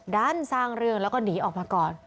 ด้านสร้างเรื่องแล้วก็หนีออกมาก่อน